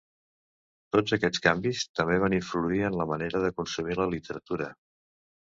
Tots aquests canvis també van influir en la manera de consumir la literatura.